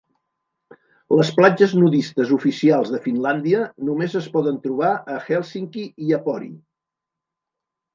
Les platges nudistes oficials de Finlàndia només es poden trobar a Hèlsinki i a Pori.